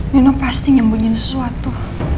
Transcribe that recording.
dino pasti nyebunin sesuatu